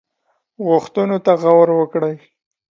غوښتنو به غور وکړي.